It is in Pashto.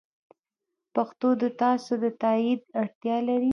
پښتو د تاسو د تایید اړتیا لري.